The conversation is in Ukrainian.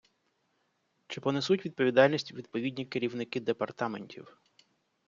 Чи понесуть відповідальність відповідні керівники департаментів?